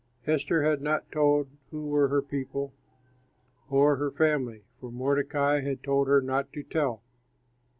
Esther had not told who were her people or her family, for Mordecai had told her not to tell.